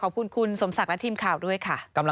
ขอบคุณคุณสมศักดิ์และทีมข่าวด้วยค่ะ